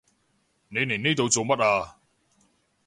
你嚟呢度做乜啊？